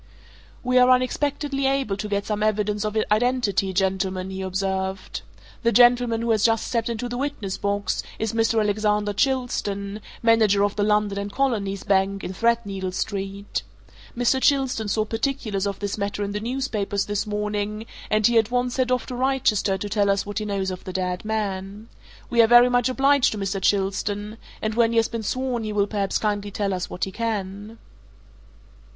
"We are unexpectedly able to get some evidence of identity, gentlemen," he observed. "The gentleman who has just stepped into the witness box is Mr. Alexander Chilstone, manager of the London & Colonies Bank, in Threadneedle Street. Mr. Chilstone saw particulars of this matter in the newspapers this morning, and he at once set off to Wrychester to tell us what he knows of the dead man. We are very much obliged to Mr. Chilstone and when he has been sworn he will perhaps kindly tell us what he can."